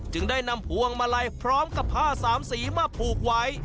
จึงได้นำพวงมาลัยพร้อมกับผ้าสามสีมาผูกไว้